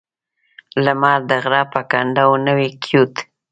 لمر د غره په کنډو نوی کېوت.